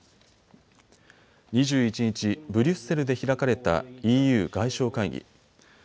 ２１日、ブリュッセルで開かれたＥＵ外相会議。